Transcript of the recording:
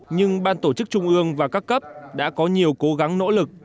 nhưng ban tổ chức trung ương và các cấp đã có nhiều cố gắng nỗ lực